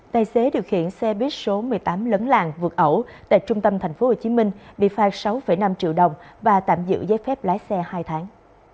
tài xế điều khiển xe buýt số một mươi tám lấn làng vượt ẩu tại trung tâm tp hcm bị phai sáu năm triệu đồng và tạm giữ giấy phép lái xe hai tháng